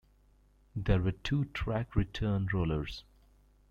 There were two track-return rollers.